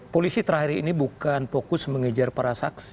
polisi terakhir ini bukan fokus mengejar para saksi